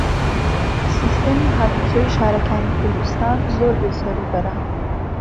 سیستەمی هاتوچۆی شارەکانی کوردستان زۆر بێسەروبەرە.